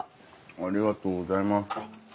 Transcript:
ありがとうございます。